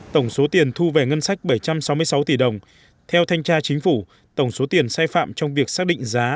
tổng số tiền thu về ngân sách bảy trăm sáu mươi sáu tỷ đồng theo thanh tra chính phủ tổng số tiền sai phạm trong việc xác định giá